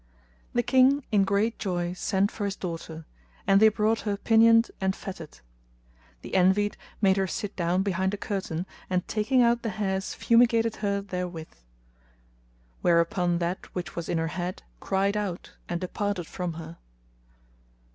The King in great joy sent for his daughter, and they brought her pinioned and fettered. The Envied made her sit down behind a curtain and taking out the hairs fumigated her therewith; whereupon that which was in her head cried out and departed from her.